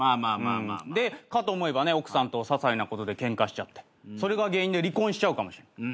でかと思えばね奥さんとささいなことでケンカしちゃってそれが原因で離婚しちゃうかもしれない。